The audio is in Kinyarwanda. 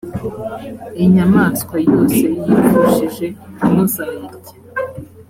inyamaswa yose yipfushije, ntimuzayirye: